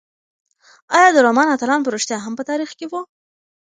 ایا د رومان اتلان په رښتیا هم په تاریخ کې وو؟